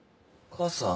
母さん？